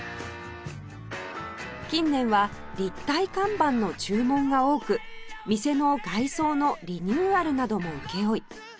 近年は立体看板の注文が多く店の外装のリニューアルなども請負